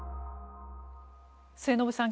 末延さん